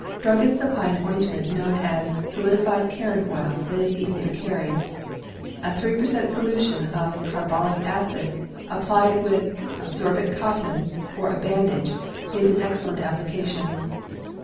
Drug gists supply an ointment known as "solidified carron oil " that is easier to carry. A three per cent, solution of carbolic acid, applied with absorbent cotton or a 306 CAMPING AND WOODCRAFT bandage, is an excellent application.